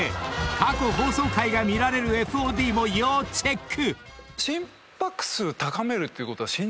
過去放送回が見られるＦＯＤも要チェック！］